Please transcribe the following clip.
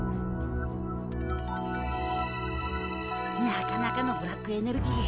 なかなかのブラックエネルギー。